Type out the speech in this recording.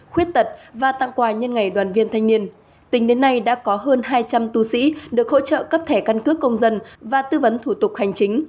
khuyết tật và tặng quà nhân ngày đoàn viên thanh niên tính đến nay đã có hơn hai trăm linh tu sĩ được hỗ trợ cấp thẻ căn cước công dân và tư vấn thủ tục hành chính